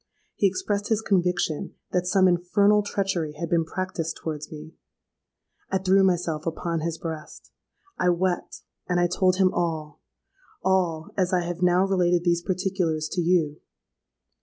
He expressed his conviction that some infernal treachery had been practised towards me. I threw myself upon his breast: I wept—and I told him all,—all, as I have now related these particulars to you.